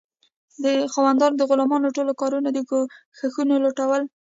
خاوندانو د غلامانو ټول کارونه او کوښښونه لوټول.